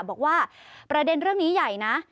บอกว่าประเด็นเรื่องนี้ใหญ่นะ